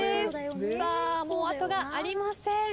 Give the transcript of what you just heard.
もう後がありません。